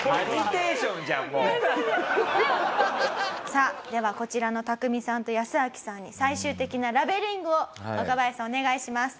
さあではこちらのタクミさんとヤスアキさんに最終的なラベリングを若林さんお願いします。